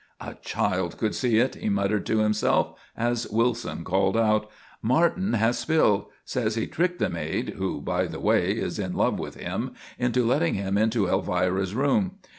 "A child could see it," he muttered to himself as Wilson called out: "Martin has spilled! Says he tricked the maid, who, by the way, is in love with him, into letting him into Elvira's room.